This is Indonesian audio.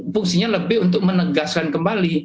fungsinya lebih untuk menegaskan kembali